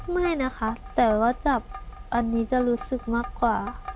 ไม่นะคะแต่ว่าจับอันนี้จะรู้สึกมากกว่า